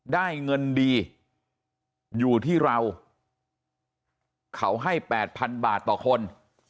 ได้เงินดีอยู่ที่เราเขาให้๘๐๐๐บาทต่อคน